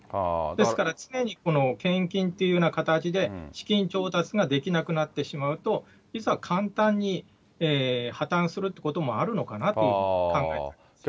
ですから常に献金という形で、資金調達ができなくなってしまうと、実は簡単に破綻するっていうこともあるのかなというふうに考えてます。